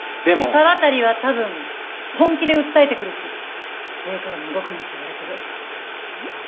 沢渡は多分本気で訴えてくるし上からも動くなって言われてる。